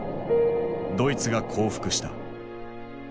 ドイツが降伏した。